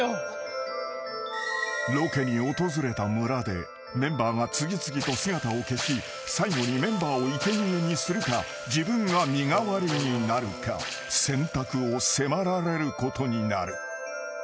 ［ロケに訪れた村でメンバーが次々と姿を消し最後にメンバーをいけにえにするか自分が身代わりになるか選択を迫られることになる］